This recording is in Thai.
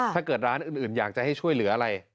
ถ้าเกิดร้านอื่นอยากจะให้ช่วยเหลืออะไร